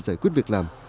giải quyết việc làm